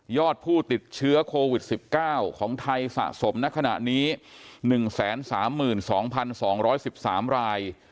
ผู้ติดเชื้อโควิด๑๙ของไทยสะสมณขณะนี้๑๓๒๒๑๓ราย